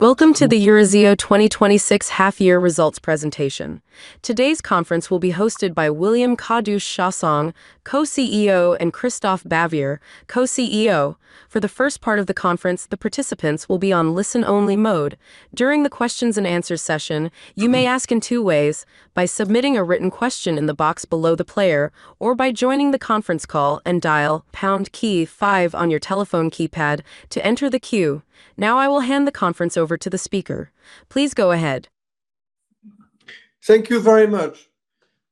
Welcome to the Eurazeo 2026 half-year results presentation. Today's conference will be hosted by William Kadouch-Chassaing, Co-CEO, and Christophe Bavière, Co-CEO. For the first part of the conference, the participants will be on listen-only mode. During the questions and answers session, you may ask in two ways, by submitting a written question in the box below the player, or by joining the conference call and dial pound key five on your telephone keypad to enter the queue. I will hand the conference over to the speaker. Please go ahead. Thank you very much.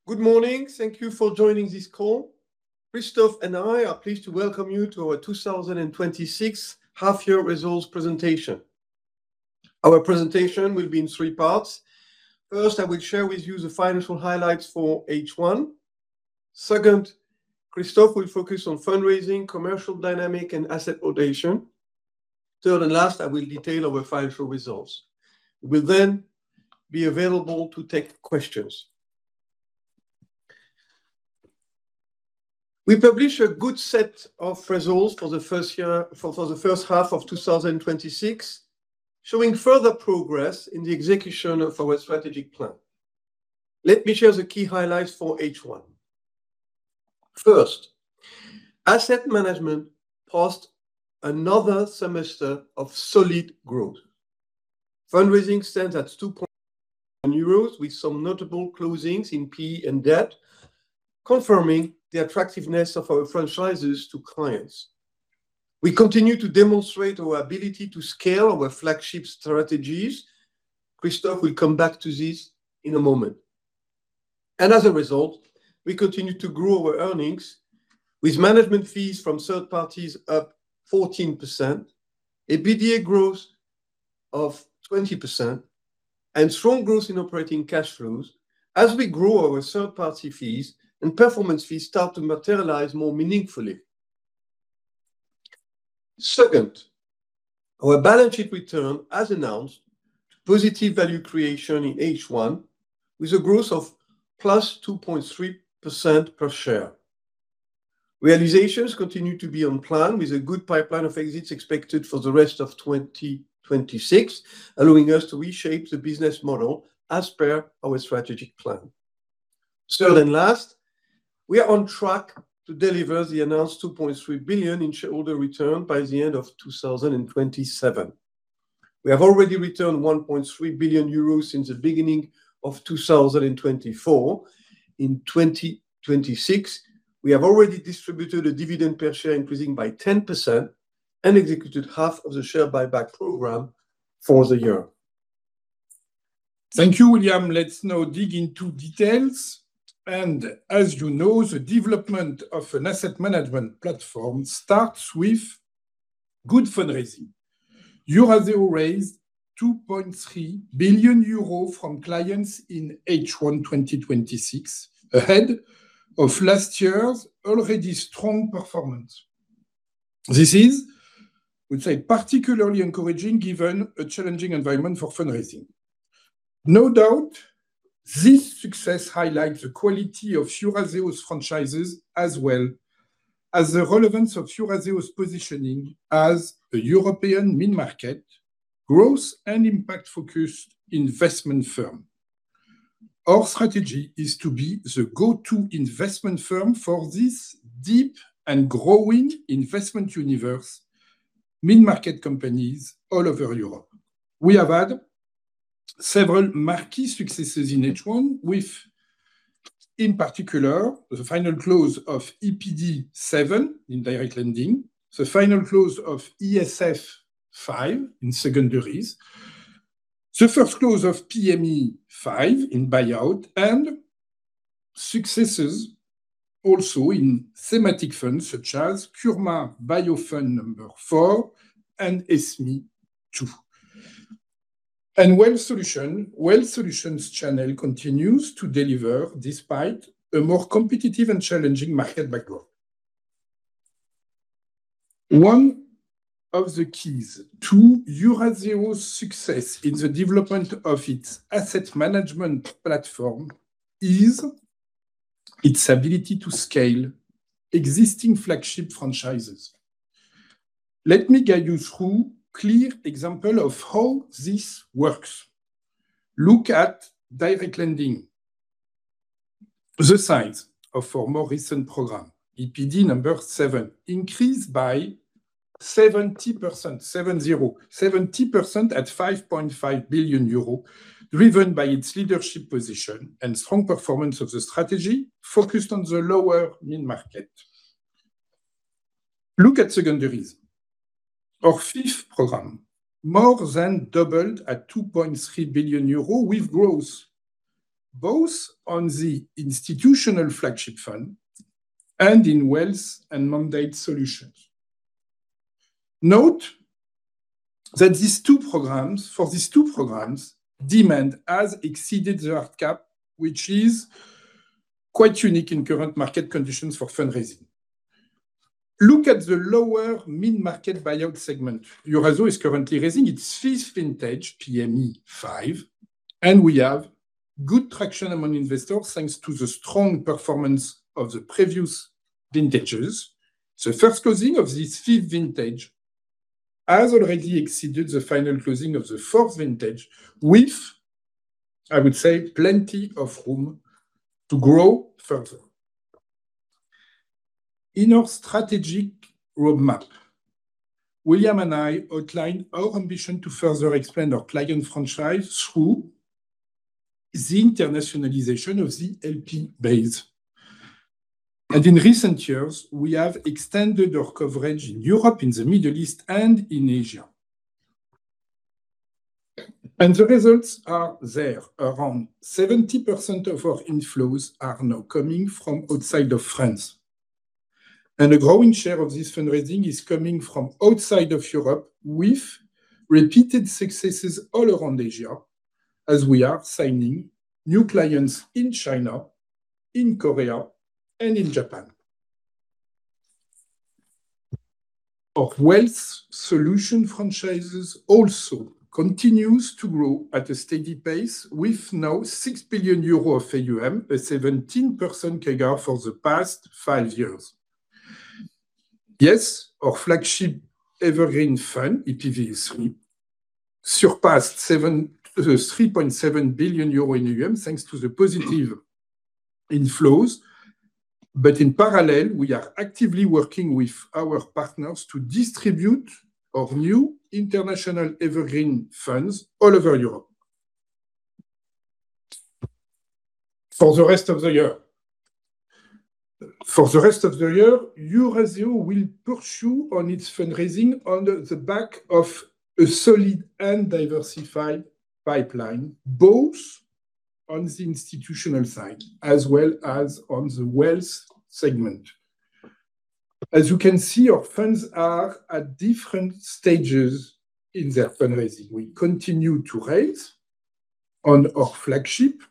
Good morning. Thank you for joining this call. Christophe and I are pleased to welcome you to our 2026 half-year results presentation. Our presentation will be in three parts. I will share with you the financial highlights for H1. Christophe will focus on fundraising, commercial dynamic, and asset rotation. I will detail our financial results. We will then be available to take questions. We publish a good set of results for the first half of 2026, showing further progress in the execution of our strategic plan. Let me share the key highlights for H1. Asset management passed another semester of solid growth. Fundraising stands at 2.3 billion euros with some notable closings in PE and debt, confirming the attractiveness of our franchises to clients. We continue to demonstrate our ability to scale our flagship strategies. Christophe will come back to this in a moment. As a result, we continue to grow our earnings, with management fees from third parties up 14%, EBITDA growth of 20%, and strong growth in operating cash flows as we grow our third-party fees and performance fees start to materialize more meaningfully. Our balance sheet return, as announced, positive value creation in H1 with a growth of +2.3% per share. Realizations continue to be on plan with a good pipeline of exits expected for the rest of 2026, allowing us to reshape the business model as per our strategic plan. We are on track to deliver the announced 2.3 billion in shareholder return by the end of 2027. We have already returned 1.3 billion euros since the beginning of 2024. In 2026, we have already distributed a dividend per share increasing by 10% and executed half of the share buyback program for the year. Thank you, William. As you know, the development of an asset management platform starts with good fundraising. Eurazeo raised 2.3 billion euros from clients in H1 2026, ahead of last year's already strong performance. This is, we'd say, particularly encouraging given a challenging environment for fundraising. No doubt, this success highlights the quality of Eurazeo's franchises, as well as the relevance of Eurazeo's positioning as a European mid-market, growth and impact-focused investment firm. Our strategy is to be the go-to investment firm for this deep and growing investment universe, mid-market companies all over Europe. We have had several marquee successes in H1 with, in particular, the final close of EPD VII in direct lending, the final close of ESF V in secondaries, the first close of PME V in buyout, and successes also in thematic funds such as Kurma Biofund IV and SME II. Wealth Solutions channel continues to deliver despite a more competitive and challenging market backdrop. One of the keys to Eurazeo's success in the development of its asset management platform is its ability to scale existing flagship franchises. Let me guide you through clear example of how this works. Look at direct lending. The size of our more recent program, EPD VII, increased by 70% at 5.5 billion euros, driven by its leadership position and strong performance of the strategy focused on the lower mid-market. Look at secondaries. Our fifth program more than doubled at 2.3 billion euros with growth both on the institutional flagship fund and in wealth and mandate solutions. Note that for these two programs, demand has exceeded the hard cap, which is quite unique in current market conditions for fundraising. Look at the lower mid-market buyout segment. Eurazeo is currently raising its fifth vintage, PME V. We have good traction among investors thanks to the strong performance of the previous vintages. The first closing of this fifth vintage has already exceeded the final closing of the fourth vintage with, I would say, plenty of room to grow further. In our strategic roadmap, William and I outlined our ambition to further expand our client franchise through the internationalization of the LP base. In recent years, we have extended our coverage in Europe, in the Middle East, and in Asia. The results are there. Around 70% of our inflows are now coming from outside of France. A growing share of this fundraising is coming from outside of Europe, with repeated successes all around Asia as we are signing new clients in China, in Korea, and in Japan. Our Wealth Solutions franchises also continues to grow at a steady pace, with now 6 billion euro of AUM, a 17% CAGR for the past five years. Yes, our flagship evergreen fund, EPVE 3, surpassed 3.7 billion euros in AUM, thanks to the positive inflows. In parallel, we are actively working with our partners to distribute our new international evergreen funds all over Europe. For the rest of the year, Eurazeo will pursue on its fundraising on the back of a solid and diversified pipeline, both on the institutional side as well as on the wealth segment. As you can see, our funds are at different stages in their fundraising. We continue to raise on our flagship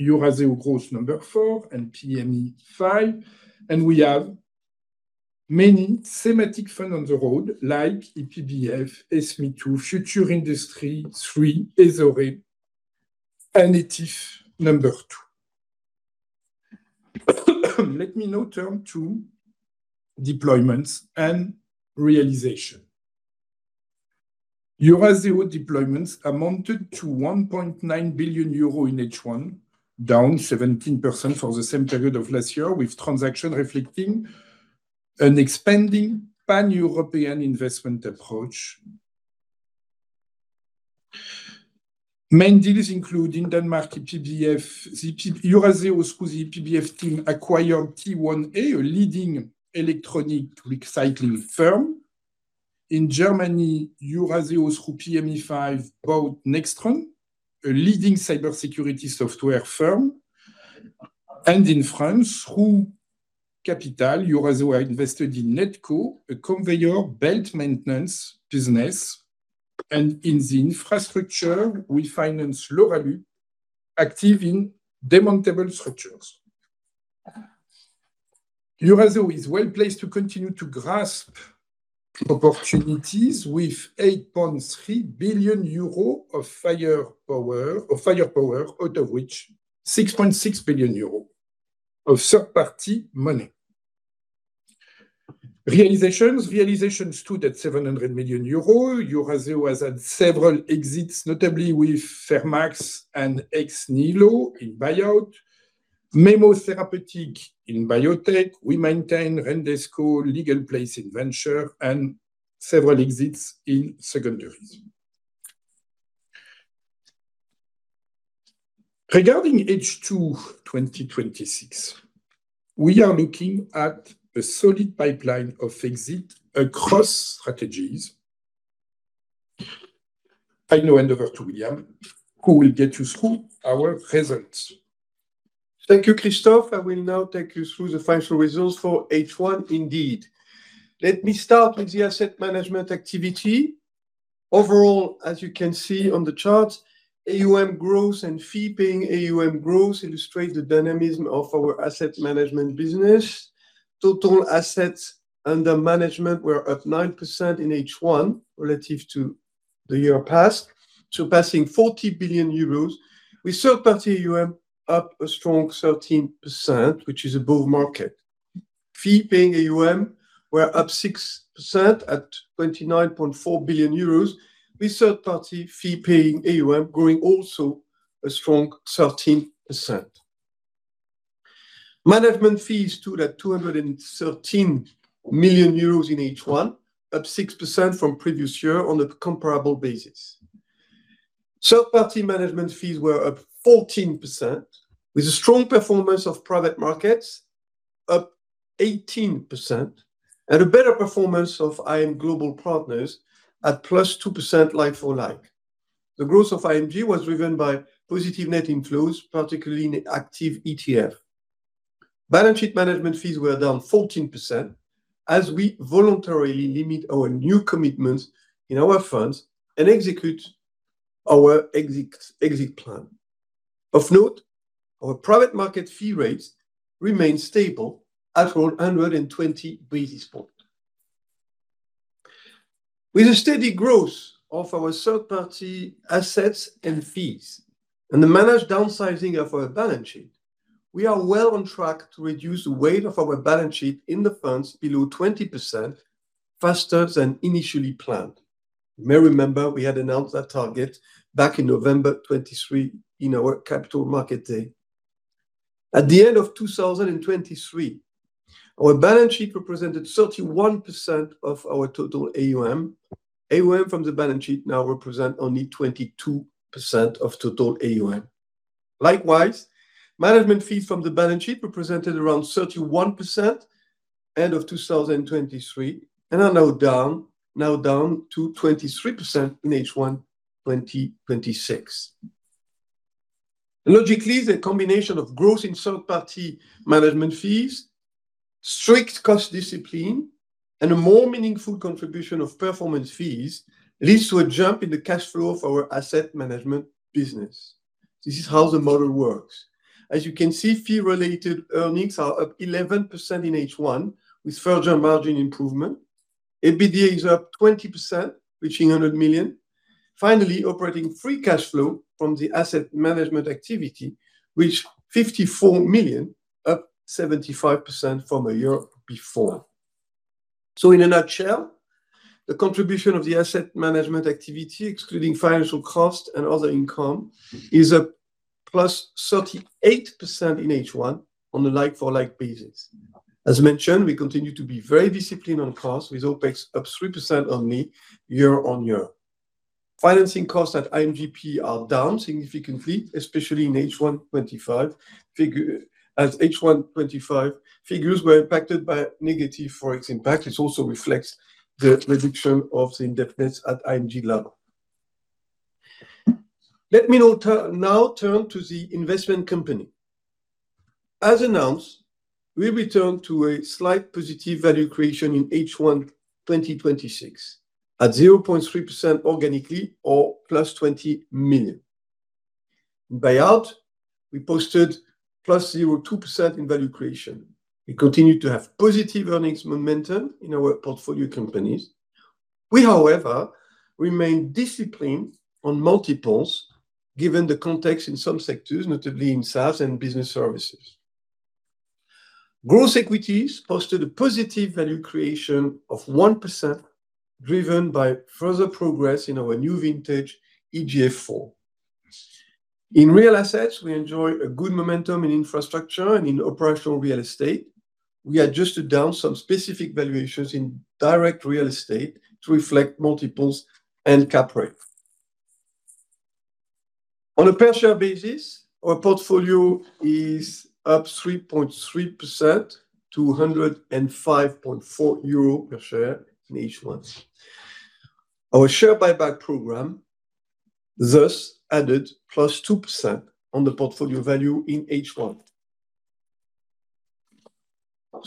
Eurazeo Growth Fund IV and PME V, and we have many thematic funds on the road like EPBF, SME II, Eurazeo Future Industries III, ESORE, and ETIF II. Let me now turn to deployments and realization. Eurazeo deployments amounted to 1.9 billion euro in H1, down 17% for the same period of last year, with transaction reflecting an expanding pan-European investment approach. Main deals include in Denmark, Eurazeo, through the EPBF team, acquired T1A, a leading electronic recycling firm. In Germany, Eurazeo, through PME V, bought Nextron, a leading cybersecurity software firm. In France, through Capital, Eurazeo invested in Netco, a conveyor belt maintenance business, and in the infrastructure, we finance Lauralu, active in demountable structures. Eurazeo is well-placed to continue to grasp opportunities with 8.3 billion euros of firepower, out of which 6.6 billion euros of third-party money. Realizations. Realizations stood at 700 million euros. Eurazeo has had several exits, notably with Fermax and Ex Nihilo in buyout, Memo Therapeutics in biotech. We maintain Rendesco, LegalPlace in venture, and several exits in secondaries. Regarding H2 2026, we are looking at a solid pipeline of exits across strategies. I now hand over to William, who will get you through our results. Thank you, Christophe. I will now take you through the financial results for H1 indeed. Let me start with the asset management activity. Overall, as you can see on the chart, AUM growth and fee-paying AUM growth illustrate the dynamism of our asset management business. Total assets under management were up 9% in H1 relative to the year past, surpassing 40 billion euros, with third-party AUM up a strong 13%, which is above market. Fee-paying AUM were up 6% at 29.4 billion euros, with third-party fee-paying AUM growing also a strong 13%. Management fees stood at 213 million euros in H1, up 6% from previous year on a comparable basis. Third-party management fees were up 14%, with a strong performance of private markets up 18% and a better performance of iM Global Partner at +2% like for like. The growth of IMG was driven by positive net inflows, particularly in active ETF. Balance sheet management fees were down 14%, as we voluntarily limit our new commitments in our funds and execute our exit plan. Of note, our private market fee rates remain stable at 120 basis points. With the steady growth of our third-party assets and fees and the managed downsizing of our balance sheet, we are well on track to reduce the weight of our balance sheet in the funds below 20%, faster than initially planned. You may remember we had announced that target back in November 2023 in our Capital Market Day. At the end of 2023, our balance sheet represented 31% of our total AUM. AUM from the balance sheet now represent only 22% of total AUM. Likewise, management fees from the balance sheet represented around 31% end of 2023, and are now down to 23% in H1 2026. Logically, the combination of growth in third-party management fees, strict cost discipline, and a more meaningful contribution of performance fees leads to a jump in the cash flow of our asset management business. This is how the model works. As you can see, fee-related earnings are up 11% in H1 with further margin improvement. EBITDA is up 20%, reaching 100 million. Finally, operating free cash flow from the asset management activity reached 54 million, up 75% from a year before. In a nutshell, the contribution of the asset management activity, excluding financial cost and other income, is up +38% in H1 on a like-for-like basis. As mentioned, we continue to be very disciplined on costs, with OpEx up 3% only year-on-year. Financing costs at IMGP are down significantly, especially in H1 2025, as H1 2025 figures were impacted by negative Forex impact. This also reflects the reduction of the indebtedness at IMG level. Let me now turn to the investment company. As announced, we returned to a slight positive value creation in H1 2026 at 0.3% organically or +20 million. In buyout, we posted +0.2% in value creation. We continue to have positive earnings momentum in our portfolio companies. We, however, remain disciplined on multiples given the context in some sectors, notably in SaaS and business services. Growth equities posted a positive value creation of 1%, driven by further progress in our new vintage EGF IV. In real assets, we enjoy a good momentum in infrastructure and in operational real estate. We adjusted down some specific valuations in direct real estate to reflect multiples and cap rate. On a per share basis, our portfolio is up 3.3%, to 105.4 euro per share in H1. Our share buyback program thus added +2% on the portfolio value in H1.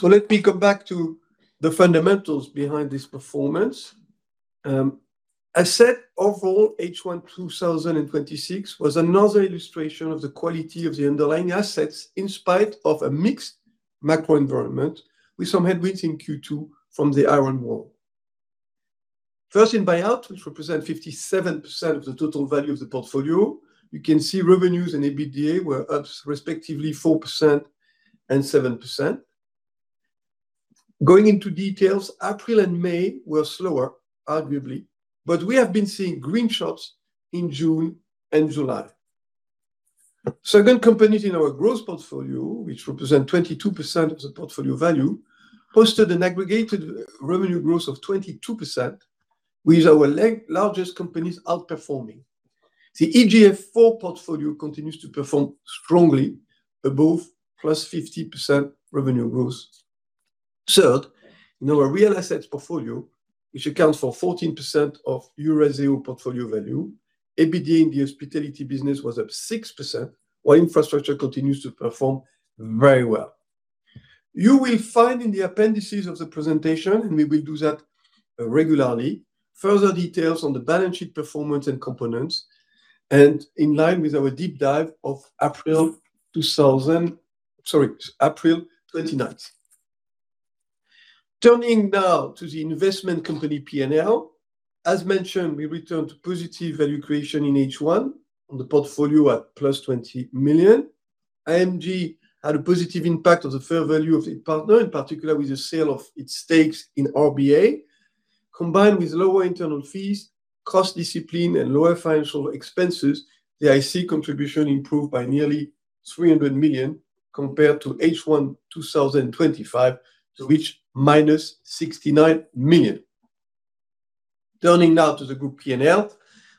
Let me come back to the fundamentals behind this performance. As said, overall, H1 2026 was another illustration of the quality of the underlying assets in spite of a mixed macro environment with some headwinds in Q2 from the tariff wall. First, in buyout, which represent 57% of the total value of the portfolio, you can see revenues and EBITDA were up respectively 4% and 7%. Going into details, April and May were slower, arguably, but we have been seeing green shots in June and July. Second, companies in our growth portfolio, which represent 22% of the portfolio value, posted an aggregated revenue growth of 22% with our largest companies outperforming. The EGF IV portfolio continues to perform strongly above +50% revenue growth. Third, in our real assets portfolio, which accounts for 14% of Eurazeo portfolio value, EBITDA in the hospitality business was up 6%, while infrastructure continues to perform very well. You will find in the appendices of the presentation, and we will do that regularly, further details on the balance sheet performance and components, and in line with our deep dive of April 29th. Turning now to the investment company P&L. As mentioned, we returned to positive value creation in H1 on the portfolio at +20 million. IMG had a positive impact on the fair value of its partner, in particular with the sale of its stakes in RBA. Combined with lower internal fees, cost discipline, and lower financial expenses, the IC contribution improved by nearly 300 million compared to H1 2025 to reach -69 million. Turning now to the group P&L.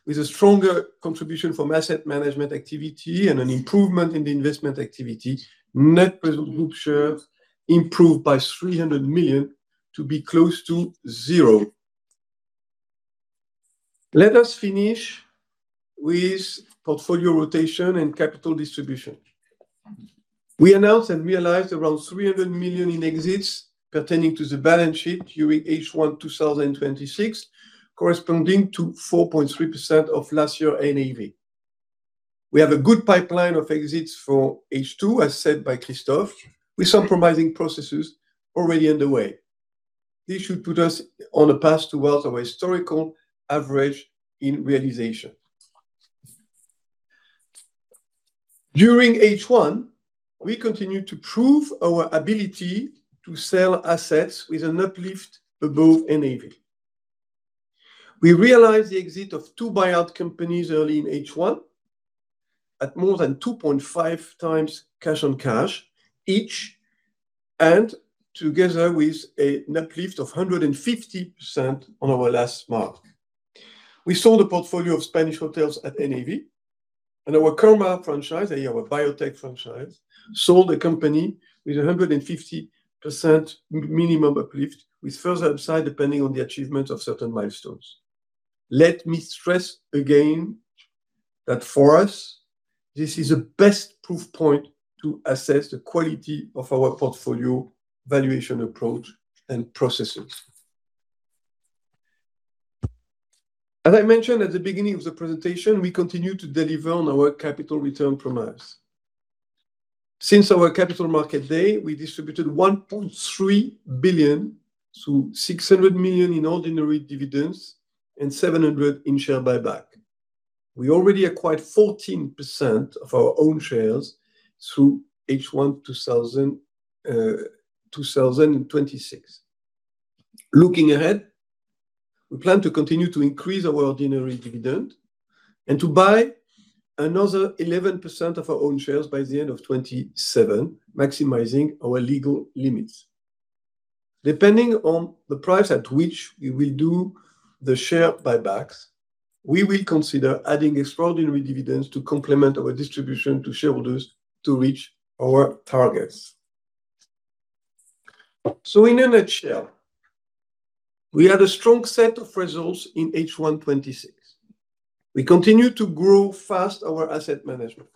With a stronger contribution from asset management activity and an improvement in the investment activity, net present group shares improved by 300 million to be close to zero. Let us finish with portfolio rotation and capital distribution. We announced and realized around 300 million in exits pertaining to the balance sheet during H1 2026, corresponding to 4.3% of last year NAV. We have a good pipeline of exits for H2, as said by Christophe, with some promising processes already underway. This should put us on a path towards our historical average in realization. During H1, we continued to prove our ability to sell assets with an uplift above NAV. We realized the exit of two buyout companies early in H1 at more than 2.5 times cash on cash each, and together with an uplift of 150% on our last mark. We sold a portfolio of Spanish hotels at NAV, and our Kurma franchise, our biotech franchise, sold a company with 150% minimum uplift, with further upside depending on the achievement of certain milestones. Let me stress again that for us, this is the best proof point to assess the quality of our portfolio valuation approach and processes. As I mentioned at the beginning of the presentation, we continue to deliver on our capital return promise. Since our capital market day, we distributed 1.3 billion through 600 million in ordinary dividends and 700 million in share buyback. We already acquired 14% of our own shares through H1 2026. Looking ahead, we plan to continue to increase our ordinary dividend and to buy another 11% of our own shares by the end of 2027, maximizing our legal limits. Depending on the price at which we will do the share buybacks, we will consider adding extraordinary dividends to complement our distribution to shareholders to reach our targets. In a nutshell, we had a strong set of results in H1 2026. We continue to grow fast our asset management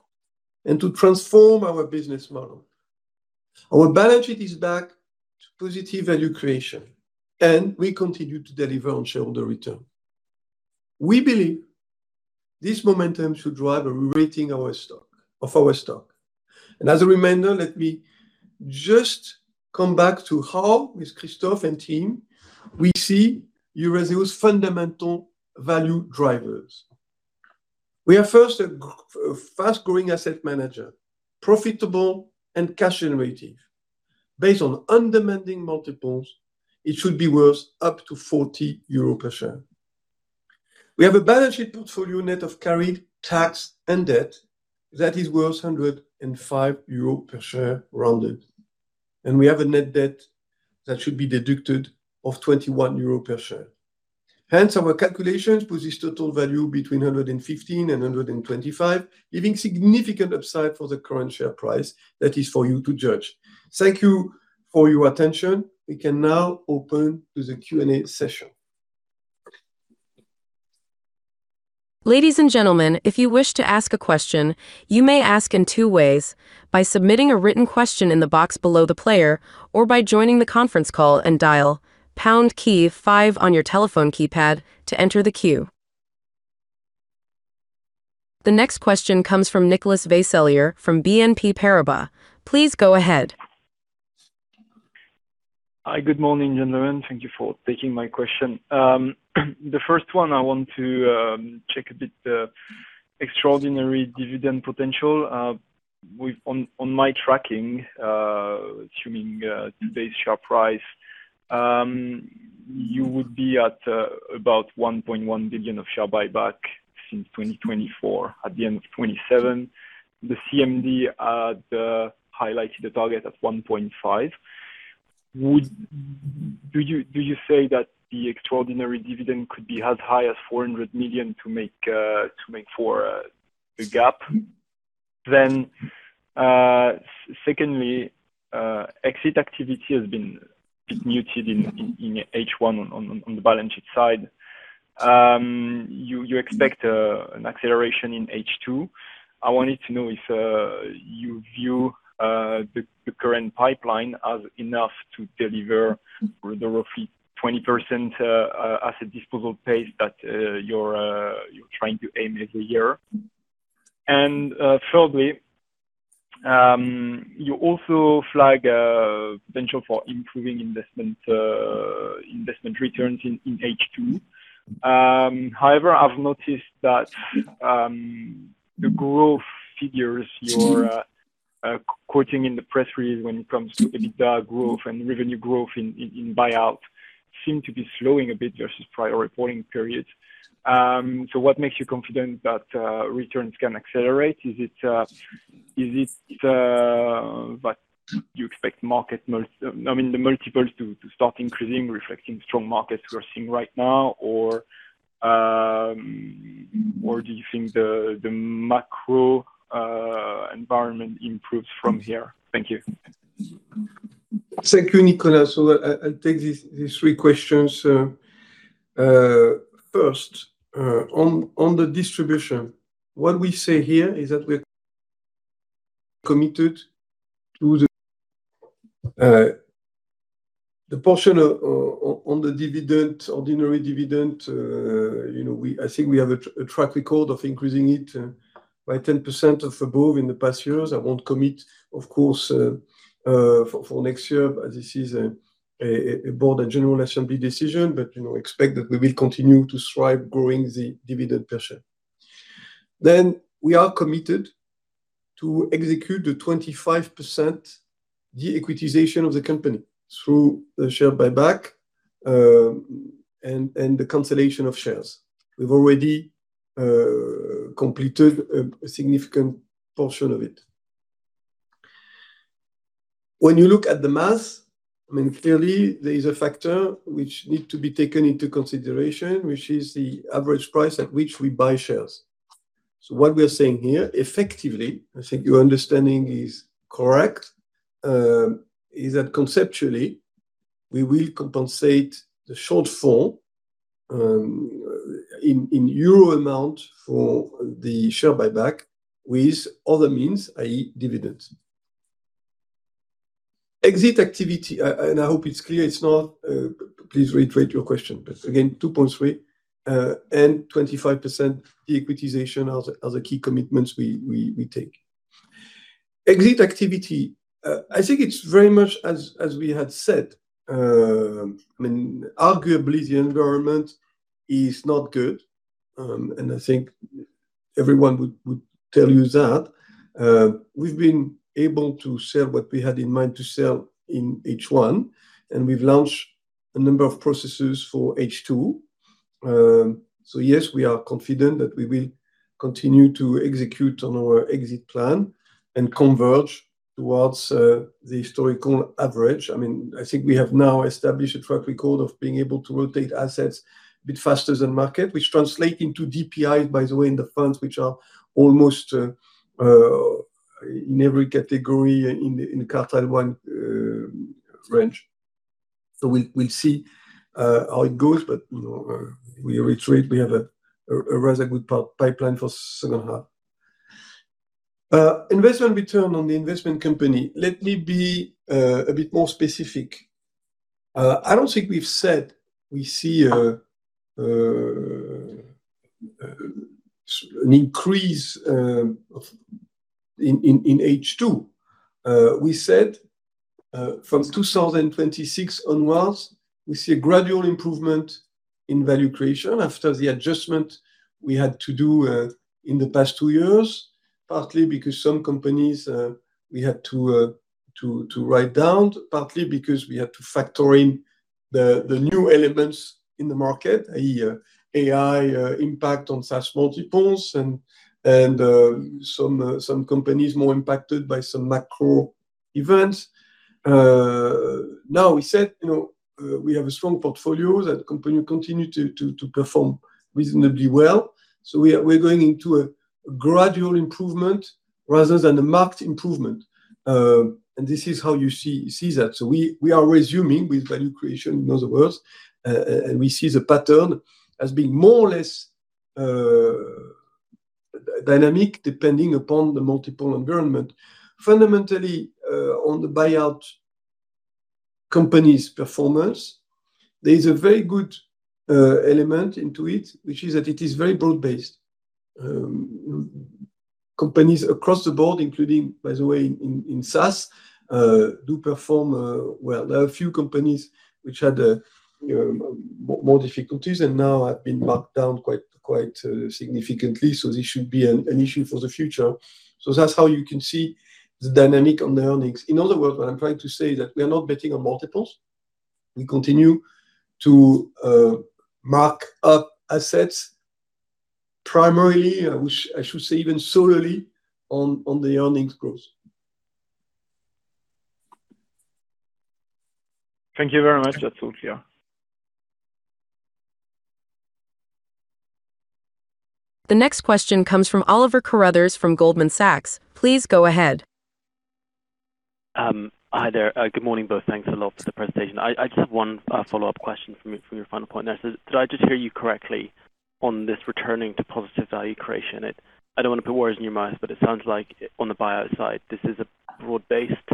and to transform our business model. Our balance sheet is back to positive value creation, and we continue to deliver on shareholder return. We believe this momentum should drive a re-rating of our stock. As a reminder, let me just come back to how, with Christophe and team, we see Eurazeo's fundamental value drivers. We are first a fast-growing asset manager, profitable and cash generative. Based on undemanding multiples, it should be worth up to 40 euros per share. We have a balance sheet portfolio net of carried tax and debt that is worth 105 euro per share, rounded. We have a net debt that should be deducted of 21 euro per share. Hence, our calculations put this total value between 115 and 125, leaving significant upside for the current share price. That is for you to judge. Thank you for your attention. We can now open to the Q&A session. Ladies and gentlemen, if you wish to ask a question, you may ask in two ways: by submitting a written question in the box below the player or by joining the conference call and dial pound key five on your telephone keypad to enter the queue. The next question comes from Nicolas Vaysselier from BNP Paribas. Please go ahead. Hi. Good morning, gentlemen. Thank you for taking my question. The first one, I want to check a bit the extraordinary dividend potential. On my tracking, assuming today's share price, you would be at about 1.1 billion of share buyback since 2024, at the end of 2027. The CMD highlighted the target at 1.5 billion. Do you say that the extraordinary dividend could be as high as 400 million to make for a gap then? Secondly, exit activity has been a bit muted in H1 on the balance sheet side. You expect an acceleration in H2. I wanted to know if you view the current pipeline as enough to deliver the roughly 20% asset disposal pace that you're trying to aim as a year. Thirdly, you also flag potential for improving investment returns in H2. However, I've noticed that the growth figures you're quoting in the press release when it comes to EBITDA growth and revenue growth in buyout seem to be slowing a bit versus prior reporting periods. What makes you confident that returns can accelerate? Is it that you expect the multiples to start increasing, reflecting strong markets we are seeing right now? Do you think the macro environment improves from here? Thank you. Thank you, Nicolas. I'll take these three questions. First, on the distribution, what we say here is that we're committed to the portion on the ordinary dividend. I think we have a track record of increasing it by 10% or above in the past years. I won't commit, of course, for next year, but this is a board and general assembly decision. Expect that we will continue to strive growing the dividend per share. We are committed to execute the 25% de-equitization of the company through the share buyback, and the cancellation of shares. We've already completed a significant portion of it. When you look at the math, clearly there is a factor which need to be taken into consideration, which is the average price at which we buy shares. What we are saying here, effectively, I think your understanding is correct, is that conceptually, we will compensate the shortfall in euro amount for the share buyback with other means, i.e. dividends. Exit activity, and I hope it's clear, it's not, please reiterate your question, but again, 2.3 billion and 25% de-equitization are the key commitments we take. Exit activity, I think it's very much as we had said. Arguably, the environment is not good, and I think everyone would tell you that. We've been able to sell what we had in mind to sell in H1, and we've launched a number of processes for H2. Yes, we are confident that we will continue to execute on our exit plan and converge towards the historical average. I think we have now established a track record of being able to rotate assets a bit faster than market, which translate into DPIs, by the way, in the funds, which are almost in every category in the quartile one range. We'll see how it goes, but we reiterate, we have a rather good pipeline for second half. Investment return on the investment company. Let me be a bit more specific. I don't think we've said we see an increase in H2. We said, from 2026 onwards, we see a gradual improvement in value creation after the adjustment we had to do in the past two years, partly because some companies, we had to write down, partly because we had to factor in the new elements in the market, i.e. AI impact on SaaS multiples and some companies more impacted by some macro events. We said we have a strong portfolio that continue to perform reasonably well. We're going into a gradual improvement rather than a marked improvement. This is how you see that. We are resuming with value creation, in other words, and we see the pattern as being more or less dynamic depending upon the multiple environment. Fundamentally, on the buyout company's performance, there is a very good element into it, which is that it is very broad-based. Companies across the board, including, by the way, in SaaS, do perform well. There are a few companies which had more difficulties and now have been marked down quite significantly, so this should be an issue for the future. That's how you can see the dynamic on the earnings. In other words, what I'm trying to say is that we are not betting on multiples. We continue to mark up assets primarily, I should say even solely, on the earnings growth. Thank you very much. That's all clear. The next question comes from Oliver Carruthers from Goldman Sachs. Please go ahead. Hi there. Good morning, both. Thanks a lot for the presentation. I just have one follow-up question from your final point. Did I just hear you correctly on this returning to positive value creation? I don't want to put words in your mouth, but it sounds like on the buyout side, this is a broad-based,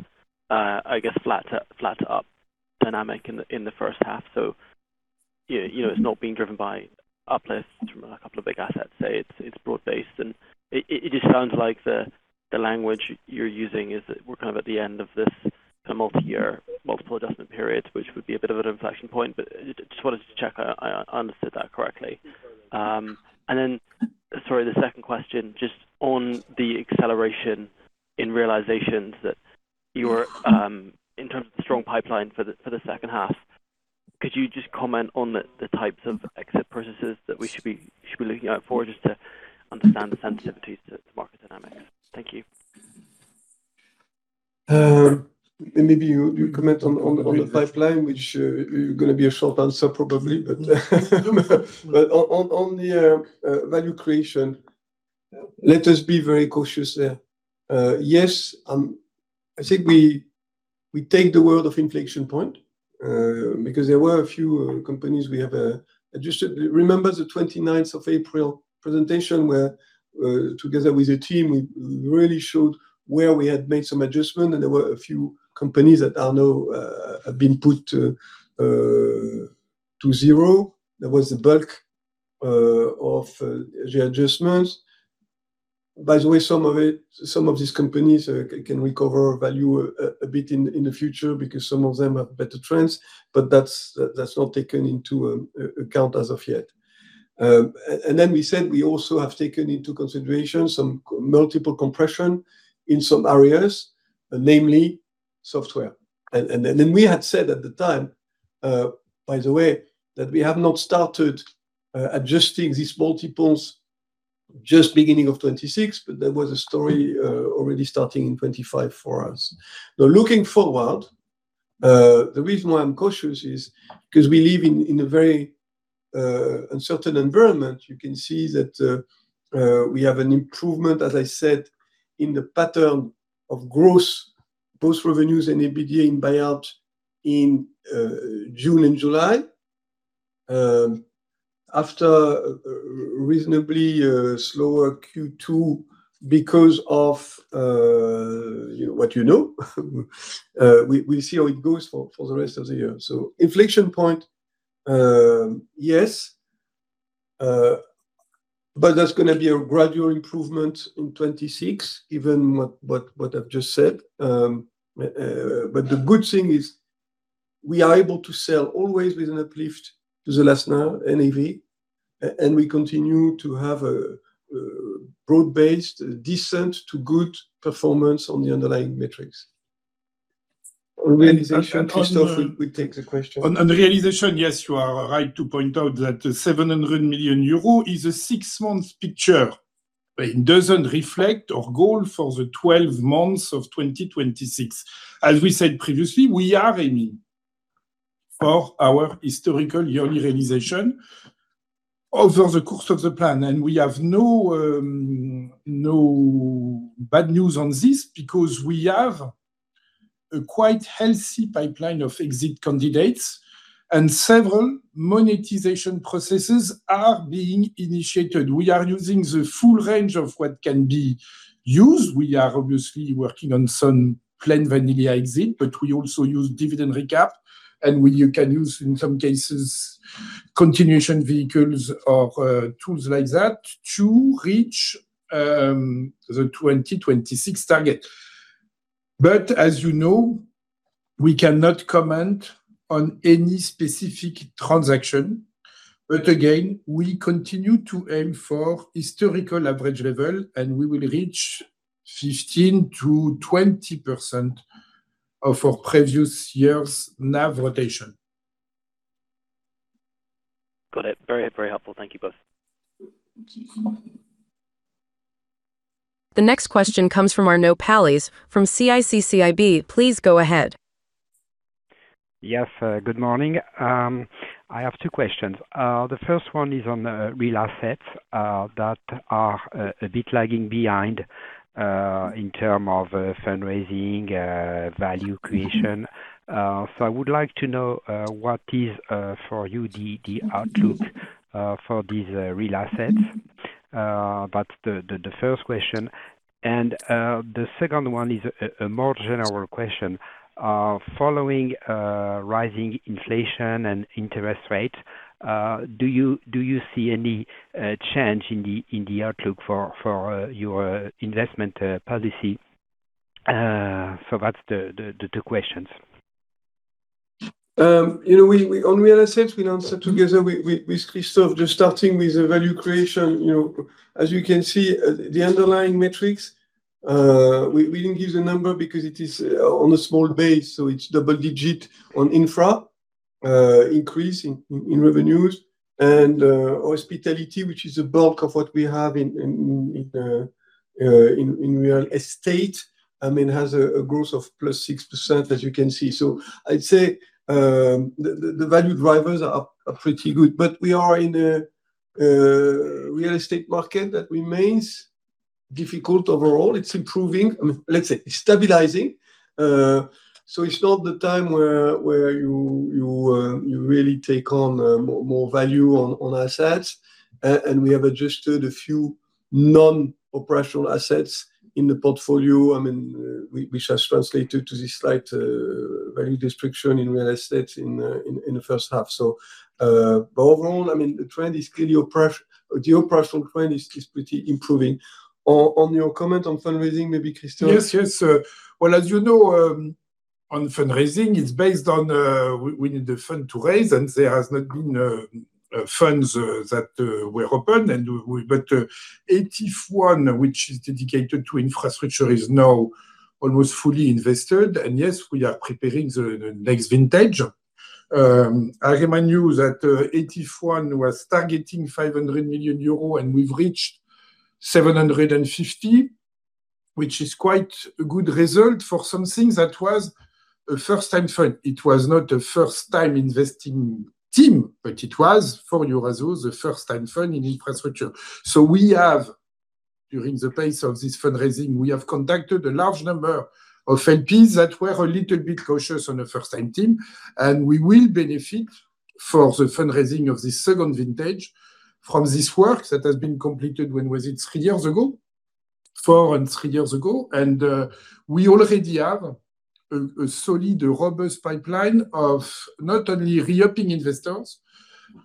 I guess, flat-up dynamic in the first half. It's not being driven by uplifts from a couple of big assets, say it's broad-based. It just sounds like the language you're using is that we're at the end of this multi-year multiple adjustment period, which would be a bit of an inflection point, but just wanted to check I understood that correctly. Sorry, the second question, just on the acceleration in realizations that you were in terms of strong pipeline for the second half, could you just comment on the types of exit processes that we should be looking out for just to understand the sensitivities to market dynamics? Thank you. You comment on the pipeline, which is going to be a short answer probably, but on the value creation, let us be very cautious there. I think we take the word of inflection point, because there were a few companies we have adjusted. Remember the 29th of April presentation where, together with the team, we really showed where we had made some adjustment, and there were a few companies that now have been put to zero. There was the bulk of the adjustments. By the way, some of these companies can recover value a bit in the future because some of them have better trends, but that's not taken into account as of yet. We said we also have taken into consideration some multiple compression in some areas, namely software. We had said at the time, by the way, that we have not started adjusting these multiples just beginning of 2026, but there was a story already starting in 2025 for us. Looking forward, the reason why I'm cautious is because we live in a very uncertain environment. You can see that we have an improvement, as I said, in the pattern of growth, both revenues and EBITDA in buyout in June and July, after a reasonably slower Q2 because of what you know. We'll see how it goes for the rest of the year. Inflection point, yes. That's going to be a gradual improvement in 2026, given what I've just said. The good thing is we are able to sell always with an uplift to the lesser NAV, and we continue to have a broad-based, decent to good performance on the underlying metrics. On realization, Christophe will take the question. On realization, yes, you are right to point out that the 700 million euro is a six-month picture. It doesn't reflect our goal for the 12 months of 2026. We said previously, we are aiming for our historical yearly realization over the course of the plan. We have no bad news on this because we have a quite healthy pipeline of exit candidates. Several monetization processes are being initiated. We are using the full range of what can be used. We are obviously working on some plain vanilla exit, but we also use dividend recapitalization, and you can use, in some cases, continuation vehicles or tools like that to reach the 2026 target. As you know, we cannot comment on any specific transaction. Again, we continue to aim for historical average level, and we will reach 15%-20% of our previous year's NAV rotation. Got it. Very helpful. Thank you both. The next question comes from Arnaud Palliez from CIC CIB. Please go ahead. Yes, good morning. I have two questions. The first one is on the real assets that are a bit lagging behind in terms of fundraising, value creation. I would like to know what is, for you, the outlook for these real assets. That's the first question. The second one is a more general question. Following rising inflation and interest rates, do you see any change in the outlook for your investment policy? That's the two questions. On real assets, we'll answer together with Christophe, just starting with the value creation. As you can see, the underlying metrics, we didn't give the number because it is on a small base, it's double digit on infra increase in revenues. Hospitality, which is the bulk of what we have in real estate, has a growth of plus 6%, as you can see. I'd say the value drivers are pretty good. We are in a real estate market that remains difficult overall. It's improving. Let's say stabilizing. It's not the time where you really take on more value on assets, we have adjusted a few non-operational assets in the portfolio, which has translated to this slight value destruction in real estate in the first half. Overall, the operational trend is pretty improving. On your comment on fundraising, maybe Christophe? Yes. Well, as you know, on fundraising, it's based on we need the fund to raise, there has not been funds that were open. ETIF I, which is dedicated to infrastructure, is now almost fully invested. Yes, we are preparing the next vintage. I remind you that ETIF I was targeting 500 million euro, and we've reached 750 million, which is quite a good result for something that was a first-time fund. It was not a first-time investing team, but it was for Eurazeo, the first-time fund in infrastructure. During the pace of this fundraising, we have contacted a large number of LPs that were a little bit cautious on a first-time team, and we will benefit from the fundraising of this second vintage from this work that has been completed, when was it? Three years ago, four and three years ago. We already have a solid, robust pipeline of not only re-upping investors,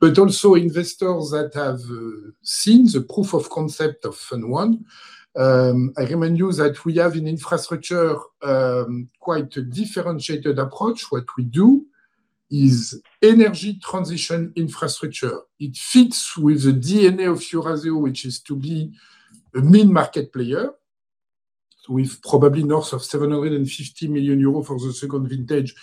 but also investors that have seen the proof of concept of Fund One. I remind you that we have an infrastructure, quite a differentiated approach. What we do is energy transition infrastructure. It fits with the DNA of Eurazeo, which is to be a mid-market player with probably north of 750 million euros for the second vintage.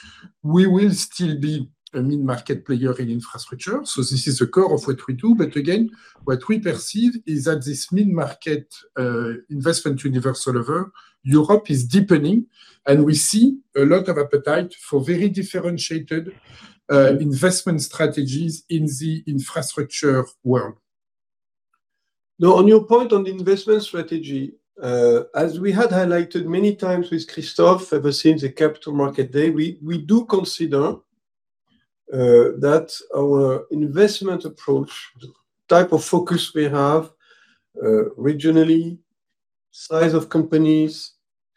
We will still be a mid-market player in infrastructure. This is the core of what we do. Again, what we perceive is that this mid-market investment universe all over Europe is deepening, and we see a lot of appetite for very differentiated investment strategies in the infrastructure world. Now, on your point on the investment strategy, as we had highlighted many times with Christophe ever since the Capital Markets Day, we do consider that our investment approach, the type of focus we have regionally, size of companies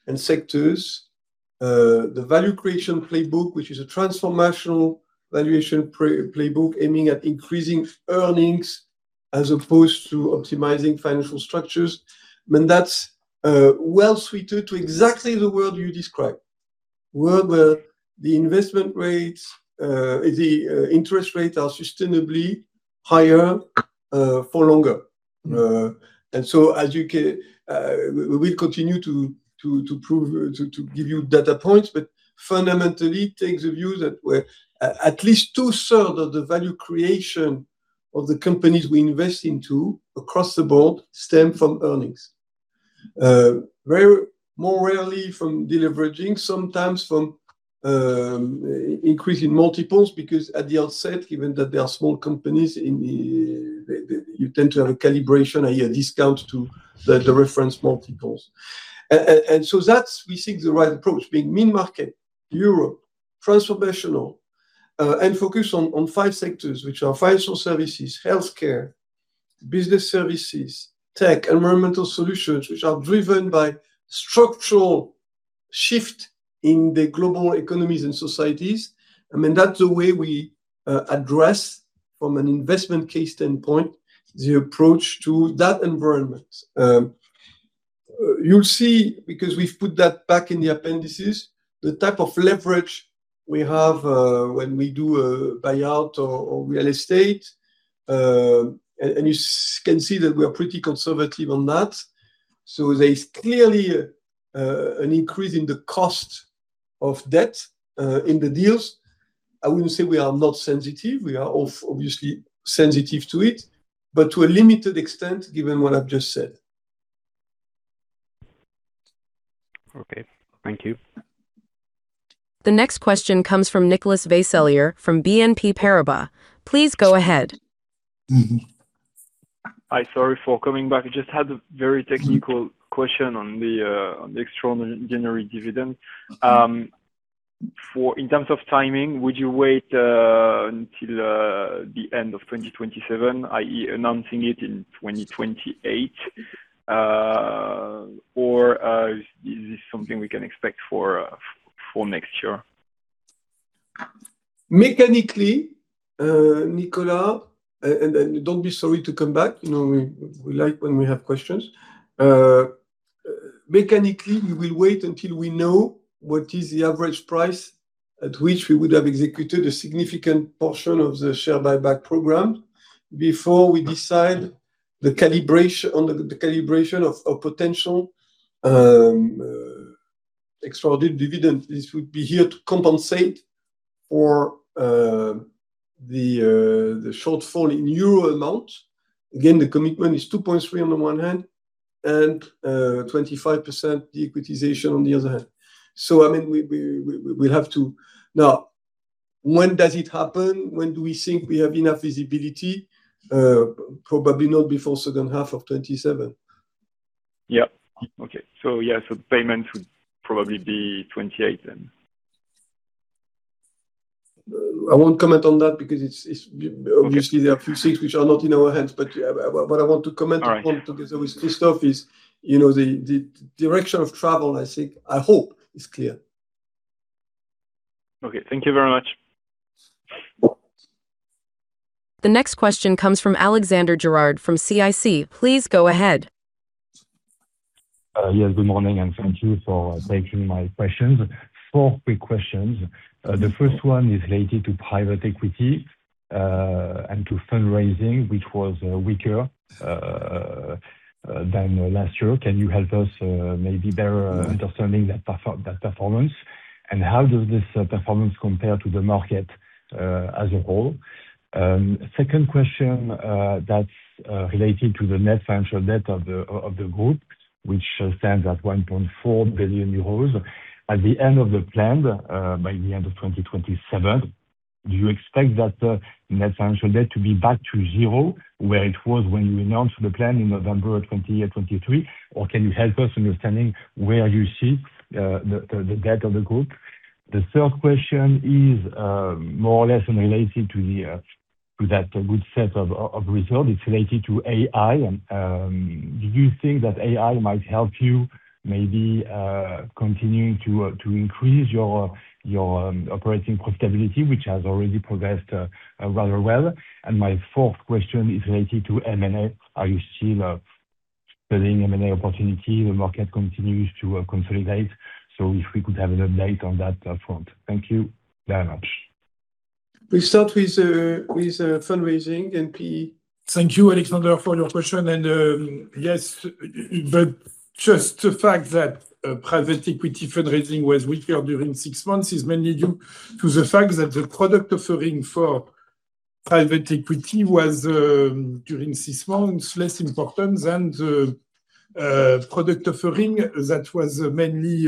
and sectors, the value creation playbook, which is a transformational valuation playbook aiming at increasing earnings as opposed to optimizing financial structures. I mean, that's well suited to exactly the world you describe, where the investment rates, the interest rates are sustainably higher for longer. We will continue to give you data points, but fundamentally take the view that we're at least 2/3 of the value creation of the companies we invest into across the board stem from earnings. More rarely from deleveraging, sometimes from increase in multiples, because at the outset, given that they are small companies, you tend to have a calibration, a discount to the reference multiples. That's we think the right approach, being mid-market, Europe, transformational, and focused on five sectors, which are financial services, healthcare, business services, tech, environmental solutions, which are driven by structural shift in the global economies and societies. That's the way we address, from an investment case standpoint, the approach to that environment. You'll see, because we've put that back in the appendices, the type of leverage we have when we do a buyout or real estate, and you can see that we are pretty conservative on that. There's clearly an increase in the cost of debt in the deals. I wouldn't say we are not sensitive. We are obviously sensitive to it, but to a limited extent, given what I've just said. Okay. Thank you. The next question comes from Nicolas Vaysselier from BNP Paribas. Please go ahead. Hi. Sorry for coming back. I just had a very technical question on the extraordinary dividend. In terms of timing, would you wait until the end of 2027, i.e., announcing it in 2028? Is this something we can expect for next year? Mechanically, Nicolas, don't be sorry to come back. We like when we have questions. Mechanically, we will wait until we know what is the average price at which we would have executed a significant portion of the share buyback program before we decide on the calibration of potential extraordinary dividend. This would be here to compensate for the shortfall in euro amount. Again, the commitment is 2.3 billion on the one hand, and 25% de-equitization on the other hand. When does it happen? When do we think we have enough visibility? Probably not before second half of 2027. Yeah. Okay. Payment would probably be 2028 then. I won't comment on that because obviously there are a few things which are not in our hands. What I want to comment on together with Christophe is the direction of travel, I think, I hope, is clear. Okay. Thank you very much. The next question comes from Alexandre Gérard from CIC. Please go ahead. Yes, good morning, and thank you for taking my questions. Four quick questions. The first one is related to private equity and to fundraising, which was weaker than last year. Can you help us maybe better understanding that performance? How does this performance compare to the market as a whole? Second question that's related to the net financial debt of the group, which stands at 1.4 billion euros. At the end of the plan, by the end of 2027. Do you expect that net financial debt to be back to zero, where it was when you announced the plan in November 2023? Can you help us understanding where you see the debt of the group? The third question is more or less related to that good set of results. It's related to AI. Do you think that AI might help you maybe continuing to increase your operating profitability, which has already progressed rather well? My fourth question is related to M&A. Are you still studying M&A opportunity? The market continues to consolidate, if we could have an update on that front. Thank you very much. We start with fundraising. Thank you, Alexandre, for your question. Yes, just the fact that private equity fundraising was weaker during six months is mainly due to the fact that the product offering for private equity was, during six months, less important than the product offering that was mainly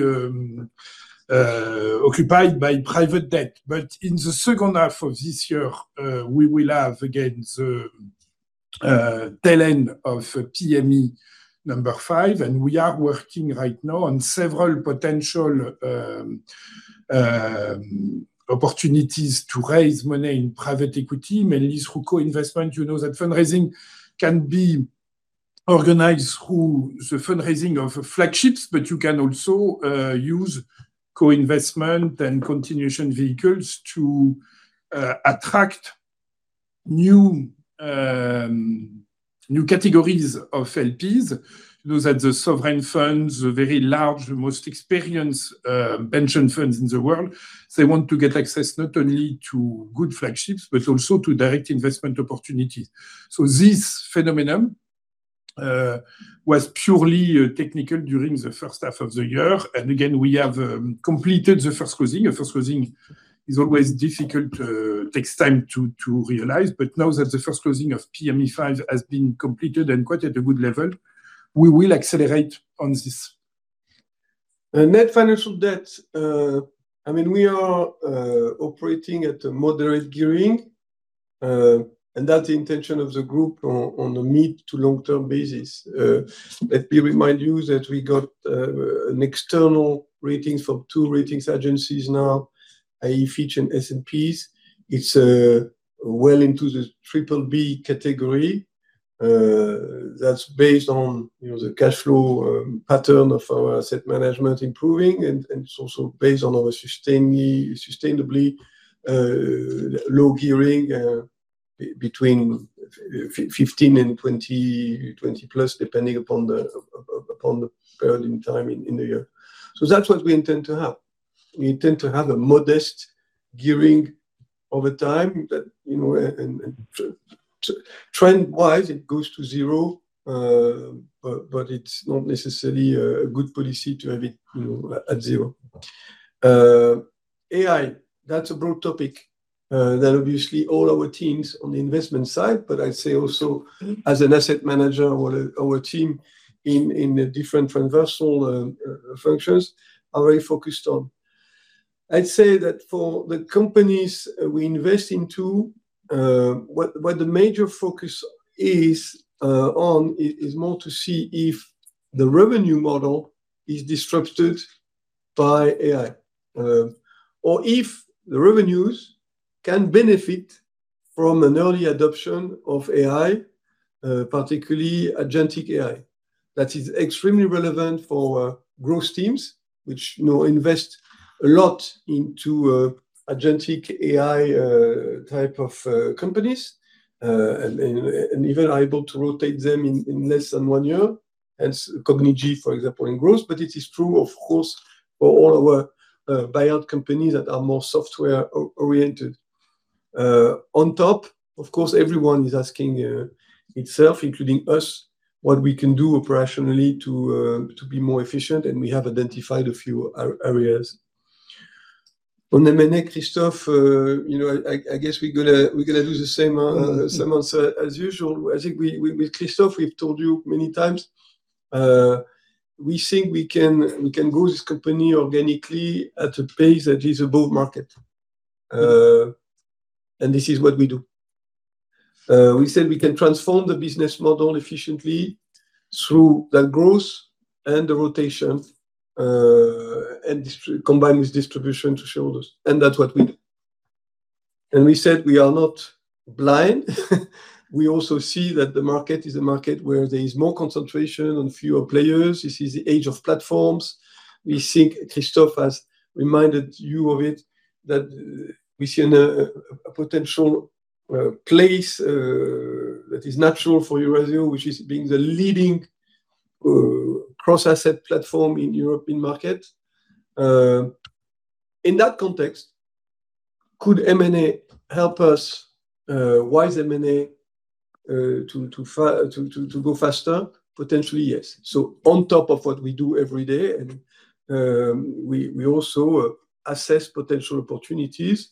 occupied by private debt. In the second half of this year, we will have, again, the tail end of PME V, and we are working right now on several potential opportunities to raise money in private equity, mainly through co-investment. Fundraising can be organized through the fundraising of flagships, but you can also use co-investment and continuation vehicles to attract new categories of LPs. The sovereign funds are very large, the most experienced pension funds in the world. They want to get access not only to good flagships, but also to direct investment opportunities. This phenomenon was purely technical during the first half of the year. Again, we have completed the first closing. A first closing is always difficult, takes time to realize. Now that the first closing of PME V has been completed and quite at a good level, we will accelerate on this. Net financial debt, we are operating at a moderate gearing, and that's the intention of the group on a mid to long-term basis. We got an external ratings from two ratings agencies now, Fitch and S&P. It's well into the BBB category. That's based on the cash flow pattern of our asset management improving, and it's also based on our sustainably low gearing between 15% and 20%, 20%+ depending upon the period in time in the year. That's what we intend to have. We intend to have a modest gearing over time. Trend-wise, it goes to zero, but it's not necessarily a good policy to have it at zero. AI, that's a broad topic that obviously all our teams on the investment side, but I'd say also as an asset manager or our team in the different transversal functions are very focused on. I'd say that for the companies we invest into, what the major focus is on is more to see if the revenue model is disrupted by AI, or if the revenues can benefit from an early adoption of AI, particularly agentic AI. That is extremely relevant for growth teams, which now invest a lot into agentic AI type of companies, and even are able to rotate them in less than one year, hence Cognigy, for example, in growth. It is true, of course, for all our buyout companies that are more software-oriented. On top, of course, everyone is asking itself, including us, what we can do operationally to be more efficient, and we have identified a few areas. On the minute, Christophe, I guess we're going to do the same answer as usual. I think with Christophe, we've told you many times, we think we can grow this company organically at a pace that is above market. This is what we do. We said we can transform the business model efficiently through that growth and the rotation, and combine with distribution to shareholders. That's what we do. We said we are not blind. We also see that the market is a market where there is more concentration on fewer players. This is the age of platforms. We think Christophe has reminded you of it, that we see a potential place that is natural for Eurazeo, which is being the leading cross-asset platform in European market. In that context, could M&A help us? Why is M&A to go faster? Potentially, yes. On top of what we do every day, we also assess potential opportunities.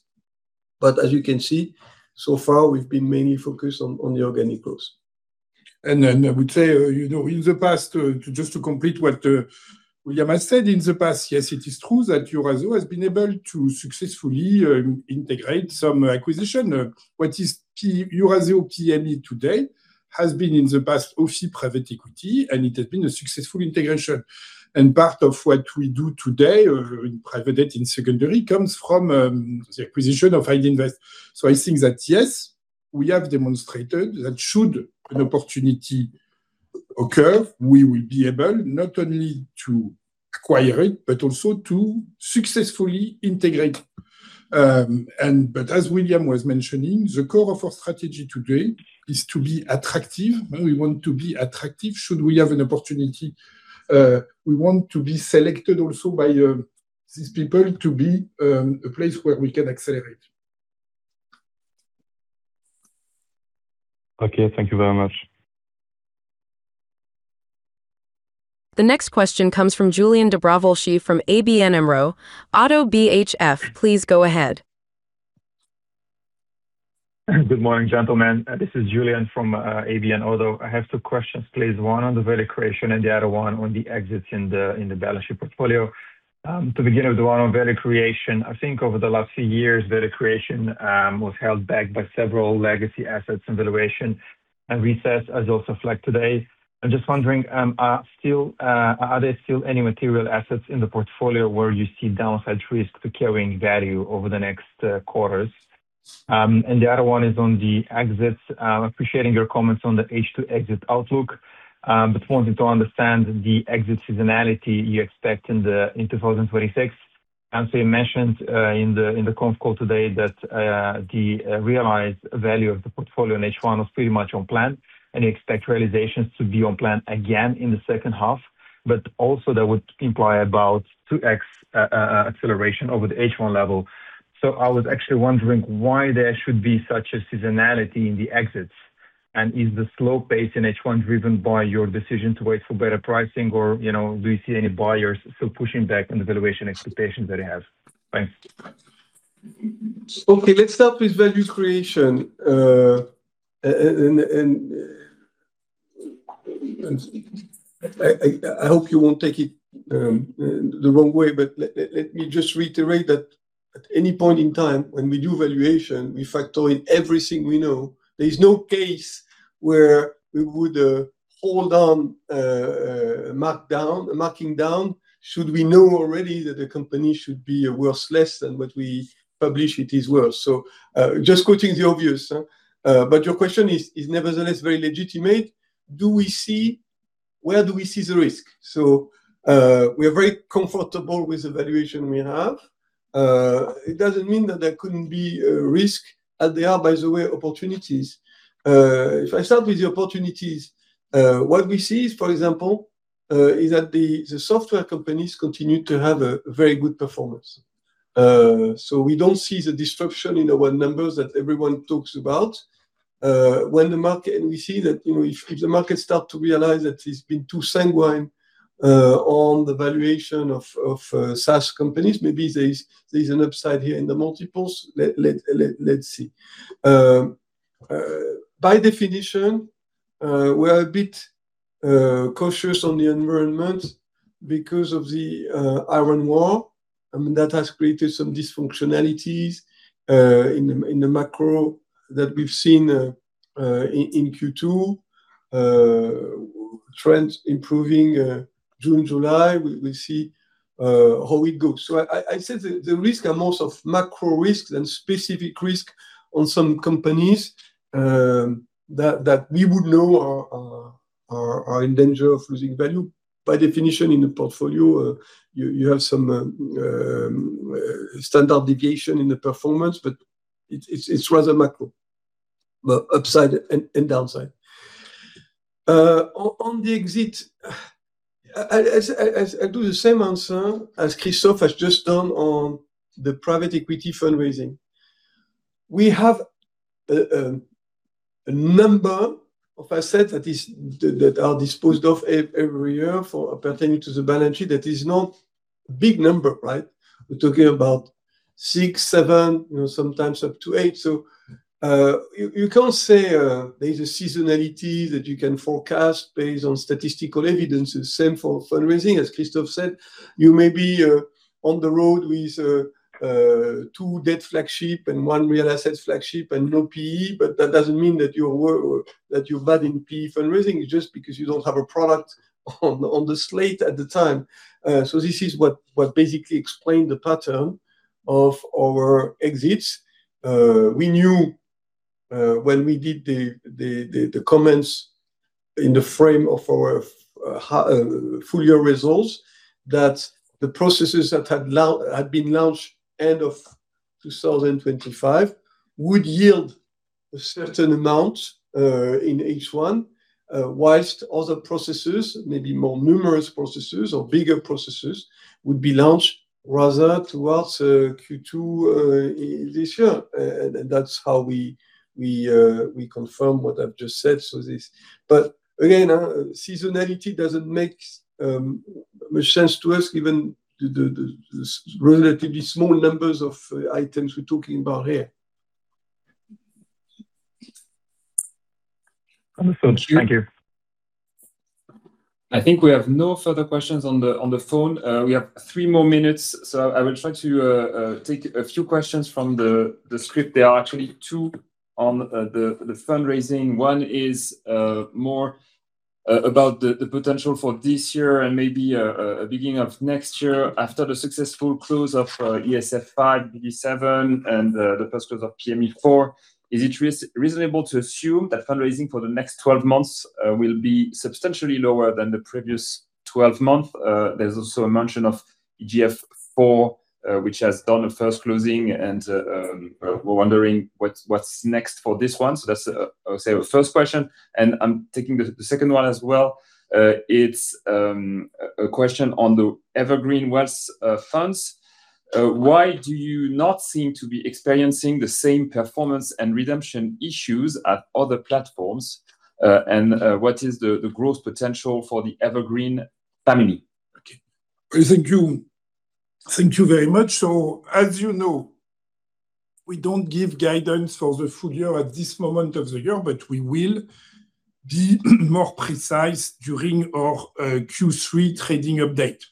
As you can see, so far, we've been mainly focused on the organic growth. I would say, just to complete what William has said, in the past, yes, it is true that Eurazeo has been able to successfully integrate some acquisition. What is Eurazeo PME today has been in the past also private equity, and it has been a successful integration. Part of what we do today in private debt in secondary comes from the acquisition of Idinvest. I think that, yes, we have demonstrated that should an opportunity occur, we will be able not only to acquire it, but also to successfully integrate. As William was mentioning, the core of our strategy today is to be attractive. We want to be attractive should we have an opportunity. We want to be selected also by these people to be a place where we can accelerate. Thank you very much. The next question comes from Iulian Dobrovolschi from ABN AMRO-ODDO BHF, please go ahead. Good morning, gentlemen. This is Iulian from ABN ODDO. I have two questions, please. One on the value creation, and the other one on the exits in the balance sheet portfolio. To begin with the one on value creation, I think over the last few years, value creation was held back by several legacy assets and valuation and recess, as also flagged today. I'm just wondering, are there still any material assets in the portfolio where you see downside risk to carrying value over the next quarters? The other one is on the exits. Appreciating your comments on the H2 exit outlook, wanting to understand the exit seasonality you expect in 2026. Antoine mentioned in the conf call today that the realized value of the portfolio in H1 was pretty much on plan, and you expect realizations to be on plan again in the second half. Also that would imply about 2x acceleration over the H1 level. I was actually wondering why there should be such a seasonality in the exits. Is the slow pace in H1 driven by your decision to wait for better pricing or do you see any buyers still pushing back on the valuation expectations that you have? Thanks. Let's start with value creation. I hope you won't take it the wrong way, but let me just reiterate that at any point in time when we do valuation, we factor in everything we know. There is no case where we would hold on marking down should we know already that the company should be worth less than what we publish it is worth. Just quoting the obvious. Your question is nevertheless very legitimate. Where do we see the risk? We are very comfortable with the valuation we have. It doesn't mean that there couldn't be a risk, as there are, by the way, opportunities. If I start with the opportunities, what we see, for example, is that the software companies continue to have a very good performance. We don't see the disruption in our numbers that everyone talks about. We see that if the market start to realize that it's been too sanguine on the valuation of SaaS companies, maybe there's an upside here in the multiples. Let's see. By definition, we are a bit cautious on the environment because of the tariff war. I mean, that has created some dysfunctionalities in the macro that we've seen in Q2. Trends improving June, July. We see how it goes. I said the risk are more of macro risks than specific risk on some companies that we would know are in danger of losing value. By definition, in the portfolio, you have some standard deviation in the performance, but it's rather macro, both upside and downside. On the exit, I do the same answer as Christophe has just done on the private equity fundraising. We have a number of assets that are disposed of every year pertaining to the balance sheet. That is not a big number, right? We're talking about six, seven, sometimes up to eight. You can't say there's a seasonality that you can forecast based on statistical evidence. It's the same for fundraising. As Christophe said, you may be on the road with two debt flagship and one real asset flagship and no PE, but that doesn't mean that you're bad in PE fundraising just because you don't have a product on the slate at the time. This is what basically explained the pattern of our exits. We knew when we did the comments in the frame of our full year results that the processes that had been launched end of 2025 would yield a certain amount in H1, whilst other processes, maybe more numerous processes or bigger processes, would be launched rather towards Q2 this year. That's how we confirm what I've just said. Again, seasonality doesn't make much sense to us given the relatively small numbers of items we're talking about here. Understood. Thank you. I think we have no further questions on the phone. We have three more minutes, so I will try to take a few questions from the script. There are actually two on the fundraising. One is more about the potential for this year and maybe beginning of next year. After the successful close of ESF V, EPD VII, and the first close of PME V, is it reasonable to assume that fundraising for the next 12 months will be substantially lower than the previous 12 months? There's also a mention of EGF IV, which has done a first closing, and we're wondering what's next for this one. That's, I would say, our first question, and I'm taking the second one as well. It's a question on the Evergreen Wealth funds. Why do you not seem to be experiencing the same performance and redemption issues at other platforms? What is the growth potential for the Evergreen family? Okay. Thank you. Thank you very much. As you know, we don't give guidance for the full year at this moment of the year, but we will be more precise during our Q3 trading update.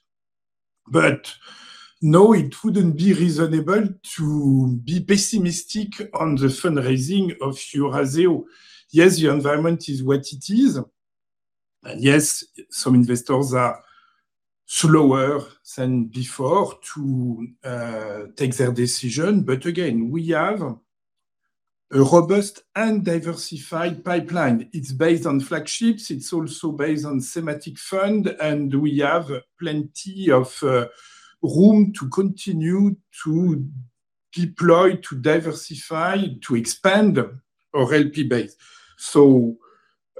No, it wouldn't be reasonable to be pessimistic on the fundraising of Eurazeo. Yes, the environment is what it is. Yes, some investors are slower than before to take their decision. Again, we have a robust and diversified pipeline. It's based on flagships. It's also based on thematic fund, and we have plenty of room to continue to deploy, to diversify, to expand our LP base.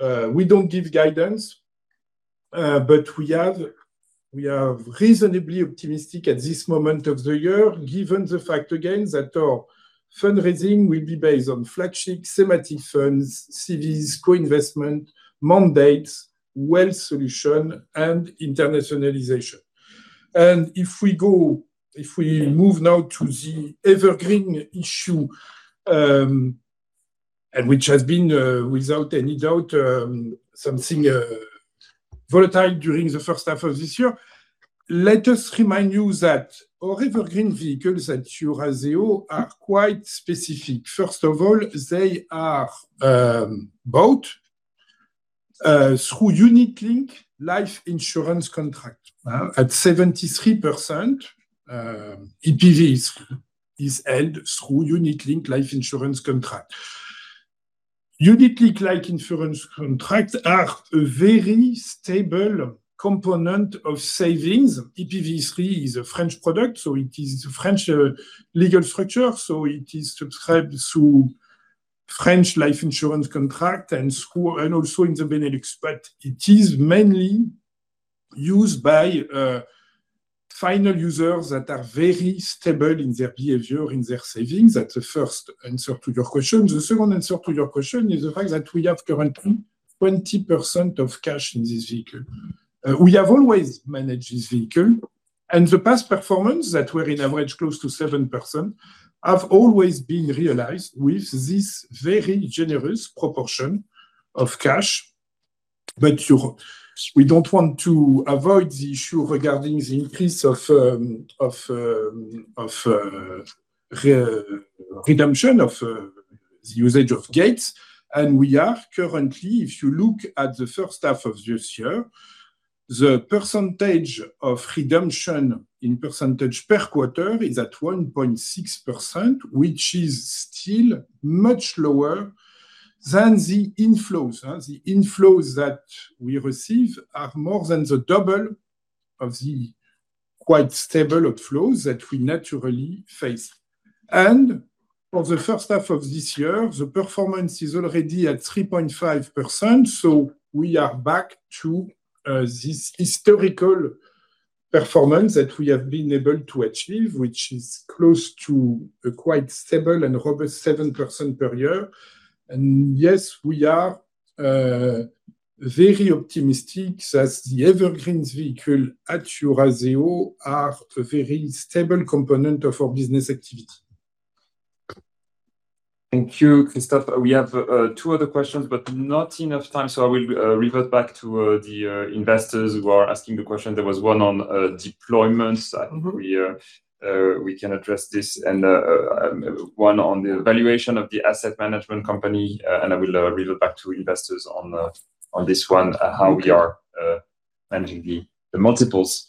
We don't give guidance, but we are reasonably optimistic at this moment of the year, given the fact again, that our fundraising will be based on flagship, thematic funds, CVs, co-investment, mandates, Wealth Solutions, and internationalization. If we move now to the Evergreen issue, which has been, without any doubt something volatile during the first half of this year, let us remind you that our Evergreen vehicles at Eurazeo are quite specific. First of all, they are bought through unit-linked life insurance contract. At 73%, EPV is held through unit-linked life insurance contract. Unit-linked life insurance contract are a very stable component of savings. EPV III is a French product, it is a French legal structure, it is subscribed through French life insurance contract and also in the Benelux. It is mainly used by final users that are very stable in their behavior, in their savings. That's the first answer to your question. The second answer to your question is the fact that we have currently 20% of cash in this vehicle. We have always managed this vehicle, the past performance that were in average close to 7% have always been realized with this very generous proportion of cash. We don't want to avoid the issue regarding the increase of redemption of the usage of gates. We are currently, if you look at the first half of this year, the percentage of redemption in percentage per quarter is at 1.6%, which is still much lower than the inflows. The inflows that we receive are more than the double of the quite stable outflows that we naturally face. For the first half of this year, the performance is already at 3.5%, we are back to this historical performance that we have been able to achieve, which is close to a quite stable and robust 7% per year. Yes, we are very optimistic that the Evergreens vehicle at Eurazeo are a very stable component of our business activity. Thank you, Christophe. We have two other questions, but not enough time. I will revert back to the investors who are asking the question. There was one on deployments. We can address this. One on the valuation of the asset management company. I will revert back to investors on this one, how we are managing the multiples.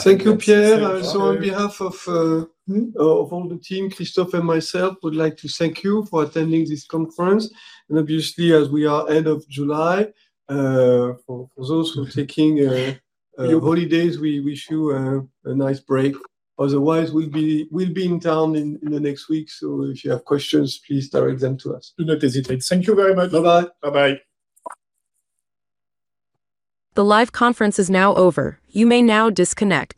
Thank you, Pierre. On behalf of all the team, Christophe and myself, we'd like to thank you for attending this conference. Obviously, as we are end of July, for those who are taking holidays, we wish you a nice break. Otherwise, we'll be in town in the next week. If you have questions, please direct them to us. Do not hesitate. Thank you very much. Bye-bye. Bye-bye. The live conference is now over. You may now disconnect.